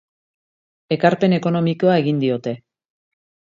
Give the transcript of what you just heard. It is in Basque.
Ekarpen ekonomikoa egin diote.